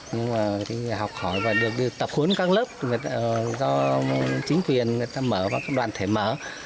nhưng mà học hỏi và được tập hướng các lớp do chính quyền mở và cộng đoàn thể mở